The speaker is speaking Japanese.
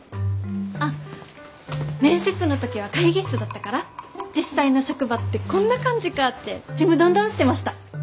あっ面接の時は会議室だったから実際の職場ってこんな感じかってちむどんどんしてました！